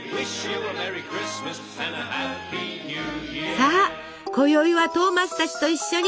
さあこよいはトーマスたちと一緒に！